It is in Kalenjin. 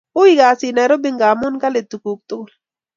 Ui kasit nairobi ngamun kali tukuk tugul